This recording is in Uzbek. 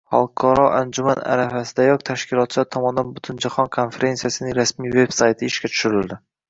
Xalqaro anjuman arafasidayoq tashkilotchilar tomonidan Butunjahon konferensiyasining rasmiy veb-sayti ishga tushirildi.